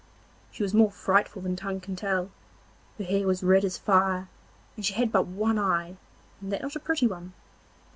She was more frightful than tongue can tell; her hair was red as fire, and she had but one eye, and that not a pretty one!